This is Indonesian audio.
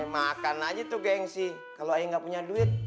makan aja tuh gengsi kalau ayo gak punya duit